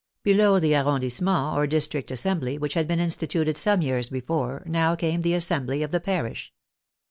Below the arron dissement, or district assembly, which had been instituted some years before, now came the assembly of the parish.